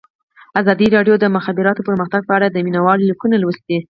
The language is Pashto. ازادي راډیو د د مخابراتو پرمختګ په اړه د مینه والو لیکونه لوستي.